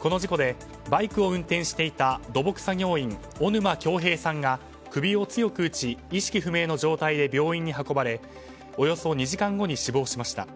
この事故でバイクを運転していた土木作業員小沼恭兵さんが首を強く打ち意識不明の状態で病院に運ばれおよそ２時間後に死亡しました。